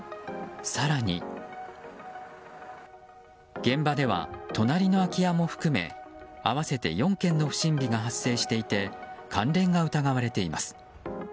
更に、現場では隣の空き家も含め合わせて４件の不審火が発生していて関連が疑われています。